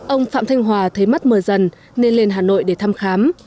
ông phạm thanh hòa thấy mắt mờ dần nên lên hà nội để thăm khám